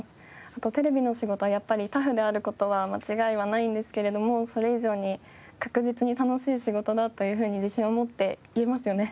あとテレビの仕事はやっぱりタフである事は間違いはないんですけれどもそれ以上に確実に楽しい仕事だというふうに自信を持って言えますよね？